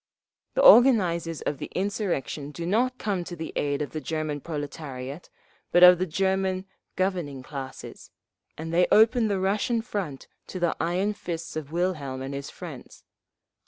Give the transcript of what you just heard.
"… The organisers of the insurrection do not come to the aid of the German proletariat, but of the German governing classes, and they open the Russian front to the iron fists of Wilhelm and his friends….